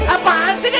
apaan sih ini